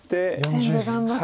全部頑張って。